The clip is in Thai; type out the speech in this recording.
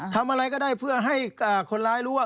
ทำอะไรก็ได้เพื่อให้คนร้ายรู้ว่า